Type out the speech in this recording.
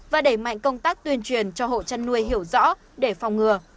và đẩy mạnh công tác tuyên truyền cho hộ chăn nuôi hiểu rõ để phòng ngừa